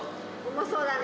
重そうだね。